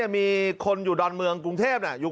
มีคนอยู่ดอนเมืองกรุงเทพ